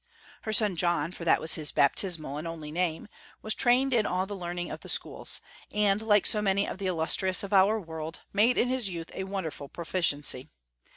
Her son John for that was his baptismal and only name was trained in all the learning of the schools, and, like so many of the illustrious of our world, made in his youth a wonderful proficiency.